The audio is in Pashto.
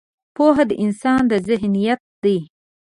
پوهه د انسان د ذهن زینت ده.